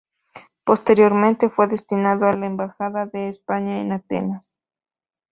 Posteriormente fue destinado a la Embajada de España en Atenas.